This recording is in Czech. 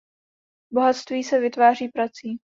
Bohatství se vytváří prací.